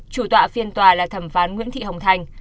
chủ tọa phiên tòa là thẩm phán nguyễn thị hồng thành